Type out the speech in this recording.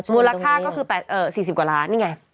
มูลค่าก็คือ๔๐กว่าล้านนี่ไง